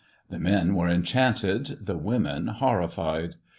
The men were enchanted, the women horrified.